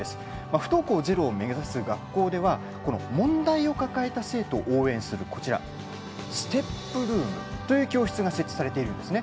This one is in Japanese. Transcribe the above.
不登校ゼロを目指す学校では問題を抱えた生徒を応援するステップルームという教室が設置されているんですね。